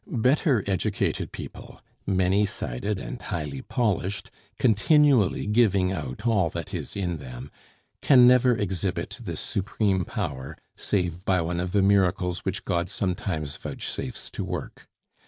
Better educated people, many sided and highly polished, continually giving out all that is in them, can never exhibit this supreme power, save by one of the miracles which God sometimes vouchsafes to work.